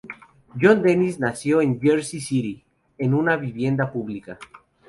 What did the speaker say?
John Dennis nació en Jersey City en una vivienda pública.